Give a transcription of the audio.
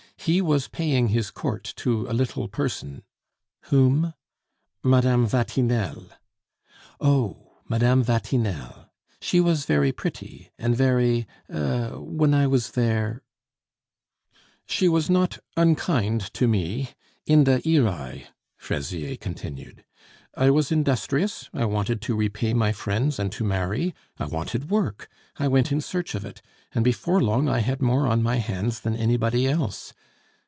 He was paying his court to a little person " "Whom?" "Mme. Vatinelle." "Oh! Mme. Vatinelle. She was very pretty and very er when I was there " "She was not unkind to me: inde iroe," Fraisier continued. "I was industrious; I wanted to repay my friends and to marry; I wanted work; I went in search of it; and before long I had more on my hands than anybody else.